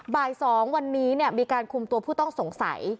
บ่าย๒วันนี้มีการคุมตัวผู้ต้องสงสัย